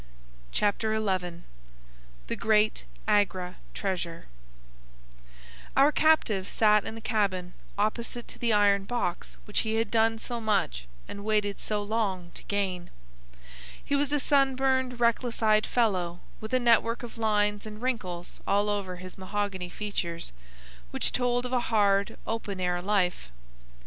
Chapter XI The Great Agra Treasure Our captive sat in the cabin opposite to the iron box which he had done so much and waited so long to gain. He was a sunburned, reckless eyed fellow, with a network of lines and wrinkles all over his mahogany features, which told of a hard, open air life.